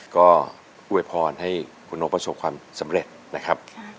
ก็อวยพรให้คุณนกประสบความสำเร็จนะครับ